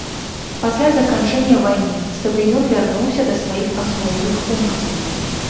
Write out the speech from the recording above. Пасля заканчэння вайны стадыён вярнуўся да сваіх асноўных функцый.